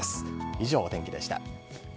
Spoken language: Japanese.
以上、お天気でした。